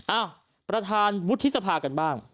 อ้าวประธานวุฒิสภากันบ้าง